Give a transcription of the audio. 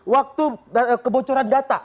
waktu kebocoran data